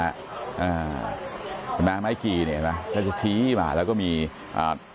เห็นไหมไม้กี่เนี่ยเห็นไหมแล้วจะชี้มาแล้วก็มีอ่า